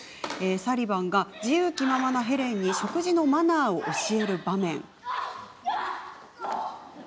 サリヴァンが自由気ままなヘレンに食事のマナーを教える場面。